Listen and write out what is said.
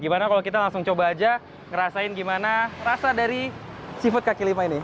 gimana kalau kita langsung coba aja ngerasain gimana rasa dari seafood kaki lima ini